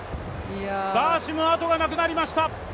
バーシム、あとがなくなりました。